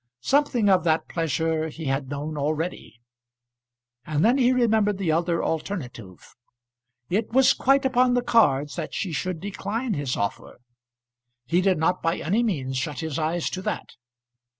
Something of that pleasure he had known already. And then he remembered the other alternative. It was quite upon the cards that she should decline his offer. He did not by any means shut his eyes to that.